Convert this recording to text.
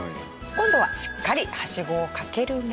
今度はしっかりはしごをかけるも。